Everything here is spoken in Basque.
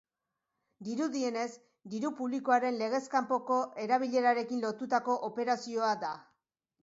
Dirudienez, diru-publikoaren legez kanpoko erabilerarekin lotutako operazioa da.